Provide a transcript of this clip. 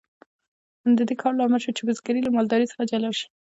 د دې کار لامل شو چې بزګري له مالدارۍ څخه جلا شي.